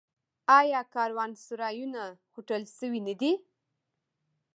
آیا کاروانسرایونه هوټل شوي نه دي؟